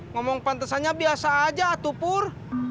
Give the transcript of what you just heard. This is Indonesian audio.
ngomong pantesannya biasa aja atupur